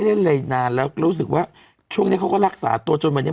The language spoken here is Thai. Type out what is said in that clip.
เล่นอะไรนานแล้วรู้สึกว่าช่วงนี้เขาก็รักษาตัวจนวันนี้